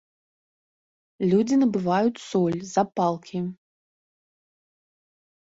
Людзі набываюць соль, запалкі.